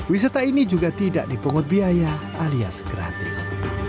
wisata ini juga tidak dipungut biaya alias gratis